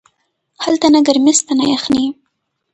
هلته نه گرمي سته نه يخني.